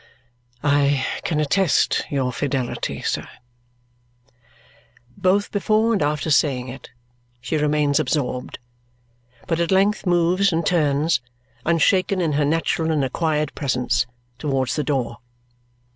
"I can attest your fidelity, sir." Both before and after saying it she remains absorbed, but at length moves, and turns, unshaken in her natural and acquired presence, towards the door.